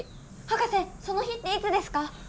博士その日っていつですか？